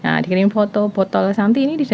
nah dikrimi foto botol santi ini